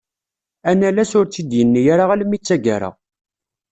Anallas ur tt-id-yenni ara almi d tagara.